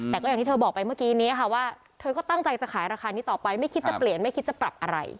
แต่ก็อย่างที่เธอบอกไปเมื่อกี้นี้ค่ะว่าเธอก็ตั้งใจจะขายราคานี้ต่อไปไม่คิดจะเปลี่ยนไม่คิดจะปรับอะไร